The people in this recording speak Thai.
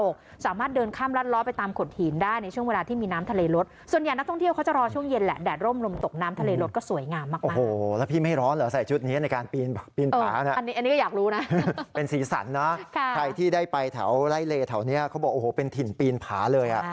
เขาบอกโอ้โหเป็นถิ่นปีนผาเลย